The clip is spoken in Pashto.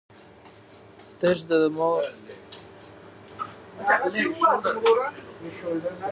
تش زموږ د ټولنيز او مدني ژوند زېږنده دي.